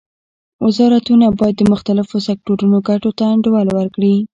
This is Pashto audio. وزارتونه باید د مختلفو سکتورونو ګټو ته انډول ورکړي